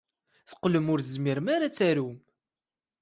Teqqlem ur tezmirem ad tarum.